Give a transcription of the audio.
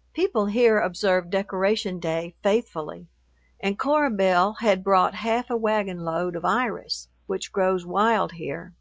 ... People here observe Decoration Day faithfully, and Cora Belle had brought half a wagon load of iris, which grows wild here.